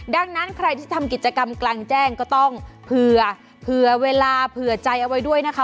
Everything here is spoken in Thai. ดังนั้นใครที่ทำกิจกรรมกลางแจ้งก็ต้องเผื่อเวลาเผื่อใจเอาไว้ด้วยนะคะ